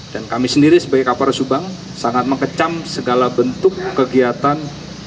dan kami sendiri sebagai kapolres subang sangat mengecam segala bentuk kegiatan